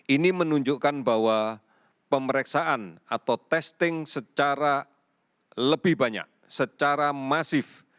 ini menunjukkan bahwa pemeriksaan atau testing secara lebih banyak secara masif